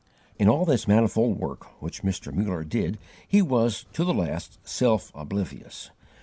In all this manifold work which Mr. Muller did he was, to the last, self oblivious.